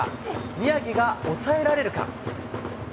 宮城が抑えられるか。